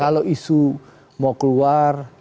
kalau isu mau keluar